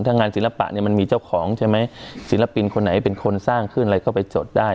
ถ้างานศิลปะเนี่ยมันมีเจ้าของใช่ไหมศิลปินคนไหนเป็นคนสร้างขึ้นอะไรก็ไปจดได้